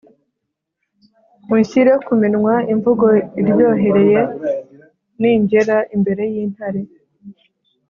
unshyire ku minwa imvugo iryohereye ningera imbere y’intare,